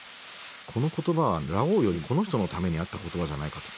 この言葉はラオウよりこの人のためにあった言葉じゃないかと。